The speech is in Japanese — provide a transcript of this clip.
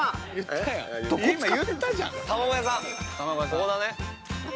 ここだね。